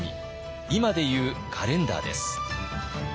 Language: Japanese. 今で言うカレンダーです。